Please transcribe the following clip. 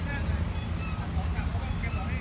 จากเมื่อเกิดขึ้นมันกลายเป้าหมาย